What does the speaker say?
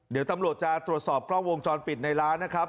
เดี๋ยวตำรวจจะตรวจสอบกล้องวงจรปิดในร้านนะครับ